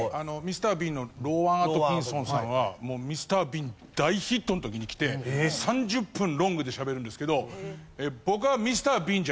『Ｍｒ．ビーン』のローワン・アトキンソンさんは『Ｍｒ．ビーン』大ヒットの時に来て３０分ロングでしゃべるんですけど。